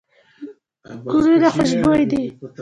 ګلونه خوشبوي دي.